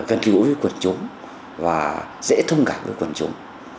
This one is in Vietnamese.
gần gũi với quần chúng và dễ thông cảnh với quần chúng